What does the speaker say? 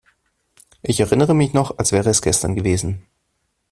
Ich erinnere mich noch, als wäre es gestern gewesen.